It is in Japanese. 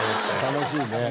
楽しいね。